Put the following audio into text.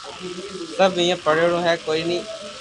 سب ايوي پڙيو رھيو ڪوئي ڪوئي